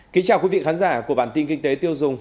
chào mừng quý vị đến với bản tin kinh tế tiêu dùng